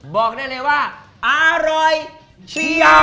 บอกได้เลยว่าอร่อยเชียว